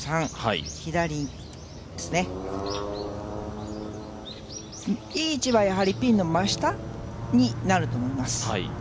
左にですね、いい位置はやはり、ピンの真下になると思います。